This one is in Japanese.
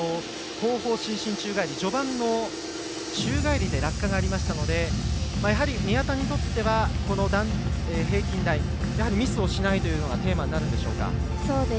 後方伸身宙返り序盤の宙返りで落下がありましたのでやはり宮田にとっては平均台やはりミスをしないというのがテーマになるんでしょうか。